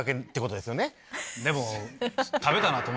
でも。